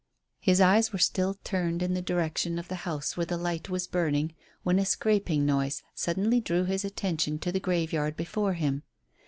His eyes were still turned in the direction of the house where the light was burning when a scraping noise suddenly drew his attention to the graveyard before him.